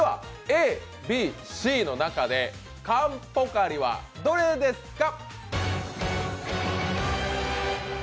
Ａ、Ｂ、Ｃの中で缶ポカリはどれですか？